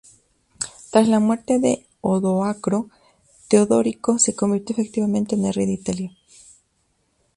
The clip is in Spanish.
Tras la muerte de Odoacro, Teodorico se convirtió efectivamente en el rey de Italia.